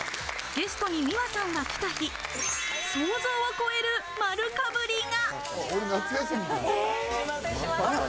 ゲストにｍｉｗａさんが来た日、想像を超える丸かぶりが。